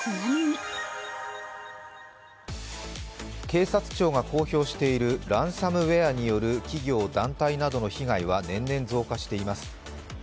警察庁が公表しているランサムウェアによる企業・団体などの被害は年々増加しています。